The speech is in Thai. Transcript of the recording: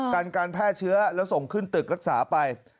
กันการแพร่เชื้อแล้วส่งขึ้นตึกรักษาไป